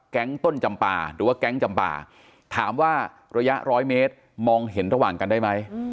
ต้นจำปาหรือว่าแก๊งจำปาถามว่าระยะร้อยเมตรมองเห็นระหว่างกันได้ไหม